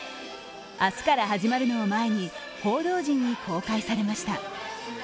明日から始まるのを前に報道陣に公開されました。